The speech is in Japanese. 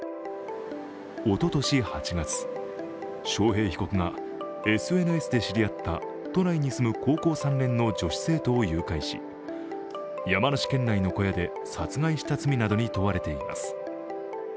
おととし８月、章平被告がＳＮＳで知り合った都内に住む高校３年の女子生徒を誘拐し山梨県内の小屋で殺害した罪などに問われています。